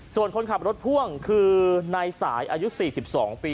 ส่วนคนขับรถพ่วงคือนายสายอายุ๔๒ปี